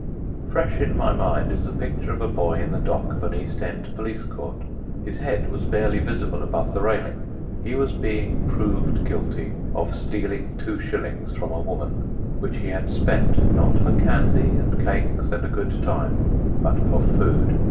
Fresh in my mind is the picture of a boy in the dock of an East End police court. His head was barely visible above the railing. He was being proved guilty of stealing two shillings from a woman, which he had spent, not for candy and cakes and a good time, but for food.